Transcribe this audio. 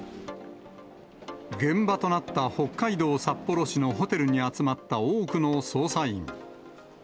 現場となった北海道札幌市のホテルに集まった多くの捜査員。